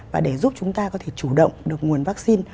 và để giúp chúng ta có thể chủ động được nguồn vaccine